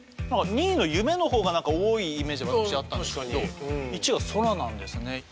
２位の「夢」のほうが多いイメージが私あったんですけど１位は「空」なんですね。